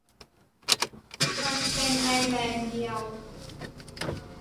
มันเป็นไอร์แลนด์เดียว